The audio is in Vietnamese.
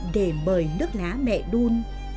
để mời nước lá mẹ đun